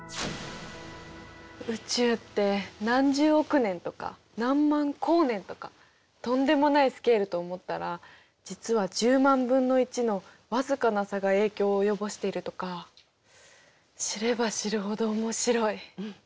宇宙って何十億年とか何万光年とかとんでもないスケールと思ったら実は１０万分の１のわずかな差が影響を及ぼしているとか知れば知るほど面白い。